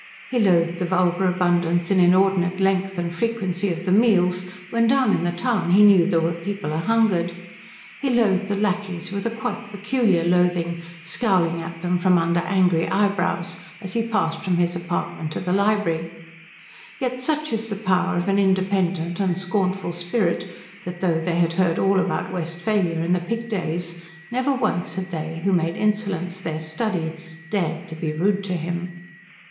He loathed the vulgar abundance and inordinate length and frequency of the meals, when down in the town he knew there were people a hungered. He loathed the lacqueys with a quite peculiar loathing, scowling at them from under angry eyebrows as he passed from his apartment to the library; yet such is the power of an independent and scornful spirit that though they had heard all about Westphalia and the pig days never once had they, who made insolence their study, dared be rude to him.